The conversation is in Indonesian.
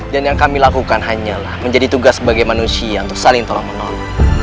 dan yang kami lakukan hanyalah menjadi tugas sebagai manusia untuk saling tolong menolong